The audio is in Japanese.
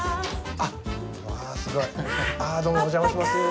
ああどうもお邪魔します。